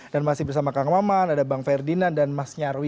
dan masih bersama kang maman ada bang ferdinand dan mas nyarwi